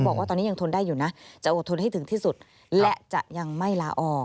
บอกว่าตอนนี้ยังทนได้อยู่นะจะอดทนให้ถึงที่สุดและจะยังไม่ลาออก